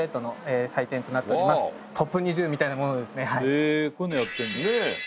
へぇこういうのやってんだ。ねぇ。